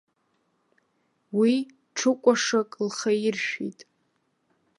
Уи ҽыкәашак лхаиршәит.